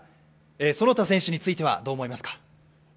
其田選手についてはどう思いますか？